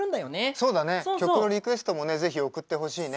そうだね曲のリクエストもぜひ送ってほしいね。